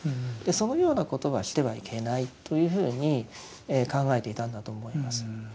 そのようなことはしてはいけないというふうに考えていたんだと思います。